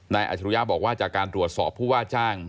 อาจรุยะบอกว่าจากการตรวจสอบผู้ว่าจ้าง